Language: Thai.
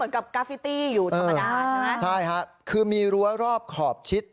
กับกราฟิตี้อยู่ธรรมดาใช่ไหมใช่ฮะคือมีรั้วรอบขอบชิด